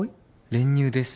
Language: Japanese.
練乳です。